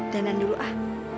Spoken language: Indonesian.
danan dulu ah